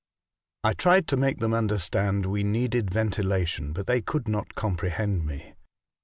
I tried to make them understand we needed ventilation, but they could not comprehend me.